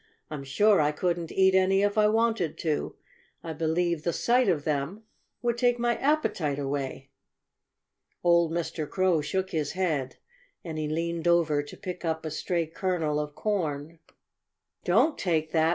"I'm sure I couldn't eat any if I wanted to. I believe the sight of them would take my appetite away." Old Mr. Crow shook his head. And he leaned over to pick up a stray kernel of corn. "Don't take that!"